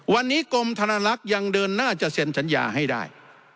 วันนี้กรมธนลักษณ์ยังเดินหน้าจะเซ็นสัญญาให้ได้